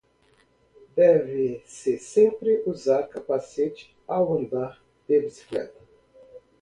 Deve-se sempre usar capacete ao andar de bicicleta.